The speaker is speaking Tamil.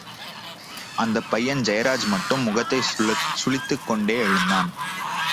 அந்தப் பையன் ஜெயராஜ் மட்டும் முகத்தைச் சுளித்துக் கொண்டே எழுந்தான்.